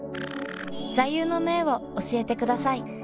座右の銘を教えてください